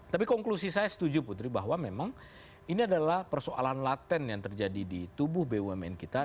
tapi konklusi saya setuju putri bahwa memang ini adalah persoalan laten yang terjadi di tubuh bumn kita